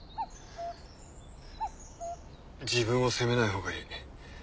自分を責めないほうがいい。